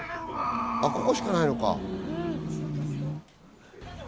ここしかないのか？